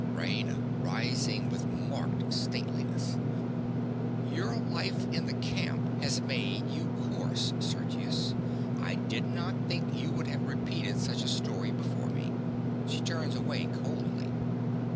RAINA. (rising with marked stateliness). Your life in the camp has made you coarse, Sergius. I did not think you would have repeated such a story before me. (_She turns away coldly.